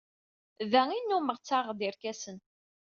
Da i nnummeɣ ttaɣeɣ-d irkasen.